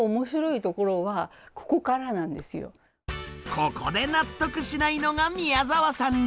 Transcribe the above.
ここで納得しないのが宮澤さん流！